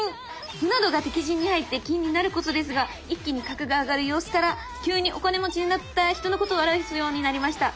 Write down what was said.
歩などが敵陣に入って金に成ることですが一気に格が上がる様子から急にお金持ちになった人のことを表すようになりました。